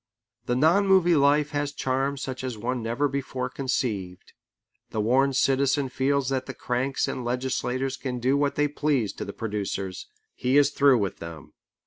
The non movie life has charms such as one never before conceived. The worn citizen feels that the cranks and legislators can do what they please to the producers. He is through with them.